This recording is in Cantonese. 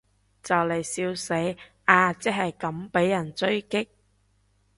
就嚟笑死，阿即係咁被人狙擊